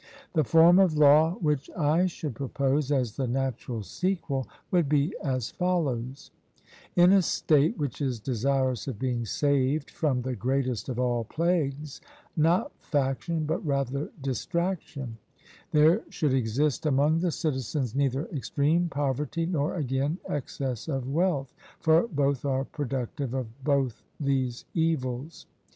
The form of law which I should propose as the natural sequel would be as follows: In a state which is desirous of being saved from the greatest of all plagues not faction, but rather distraction; there should exist among the citizens neither extreme poverty, nor, again, excess of wealth, for both are productive of both these evils.